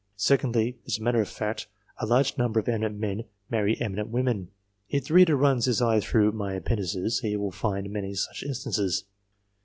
Secondly, as a matter of fact, a large number of eminent men marry eminent women. If the reader runs his eye through my Appendices, he will find many such instances.